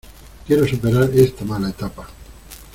Quiero superar esta mala etapa.